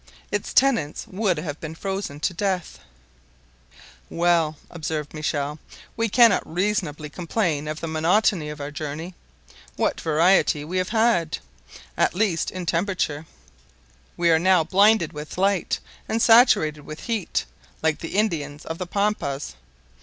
Its tenants would have been frozen to death. 1° Fahrenheit. "Well!" observed Michel, "we cannot reasonably complain of the monotony of our journey! What variety we have had, at least in temperature. Now we are blinded with light and saturated with heat, like the Indians of the Pampas!